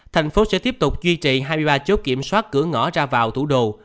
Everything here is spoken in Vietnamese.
thành phố sẽ tiếp tục duy trì hai mươi ba chốt kiểm soát cửa ngõ ra vào thủ đô